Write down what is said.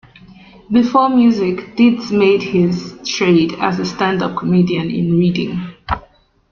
Before music, Didz made his trade as a stand up comedian in Reading.